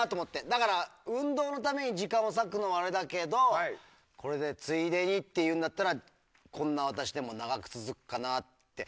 だから、運動のために時間を割くのはあれだけど、これでついでにっていうんだったらこんな私でも長く続くかなって。